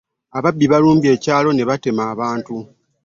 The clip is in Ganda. Ababbi balumbye ekyalo n'ebatta abantu.